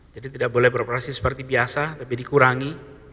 jadi tidak boleh beroperasi seperti biasa tapi dikurangi